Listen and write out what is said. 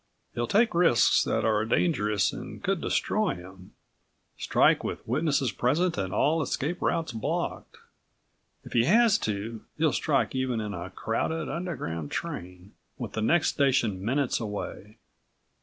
He'll take risks that are dangerous and could destroy him, strike with witnesses present and all escape routes blocked. If he has to, he'll strike even in a crowded Underground train with the next station minutes away.